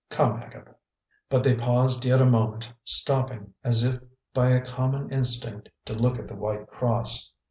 Come, Agatha!" But they paused yet a moment, stopping as if by a common instinct to look at the white cross.